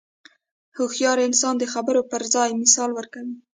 هوښیار انسان د خبرو پر ځای مثال ورکوي.